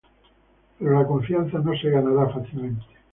Pero la confianza no se ganará fácilmente.